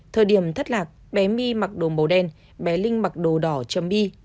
thời điểm thất lạc bé my mặc đồ màu đen bé linh mặc đồ đỏ chấm my